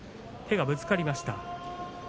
手がぶつかりました。